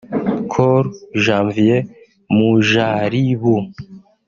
Col Janvier Mujalibu